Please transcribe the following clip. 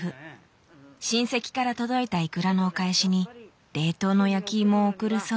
親戚から届いたイクラのお返しに冷凍の焼きいもを送るそう。